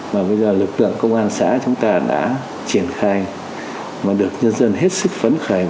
mà bây giờ lực lượng công an xã chúng ta đã triển khai mà được nhân dân hết sức phấn khởi